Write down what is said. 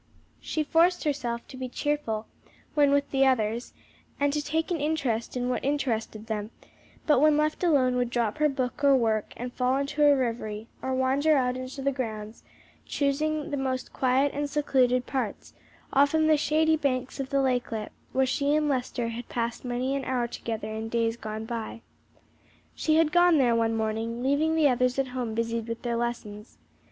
She forced herself to be cheerful when with the others, and to take an interest in what interested them, but when left alone would drop her book or work and fall into a reverie, or wander out into the grounds, choosing the most quiet and secluded parts; often the shady banks of the lakelet, where she and Lester had passed many an hour together in days gone by. She had gone there one morning, leaving the others at home busied with their lessons.